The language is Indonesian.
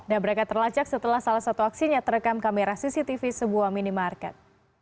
dan mereka terlacak setelah salah satu aksinya terekam kamera cctv sebuah minimarket